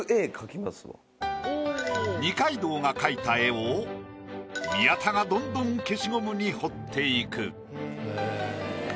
二階堂が描いた絵を宮田がどんどん消しゴムに彫っていく。